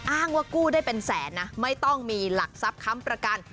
อ้างว่ากู้ได้เป็นแสนนะไม่ต้องมีหลักทรัพย์ค้ำประกัน